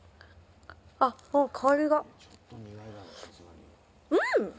あっもう香りが。